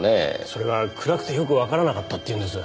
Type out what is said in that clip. それが暗くてよくわからなかったって言うんです。